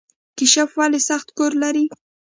کیشپ ولې سخت کور لري؟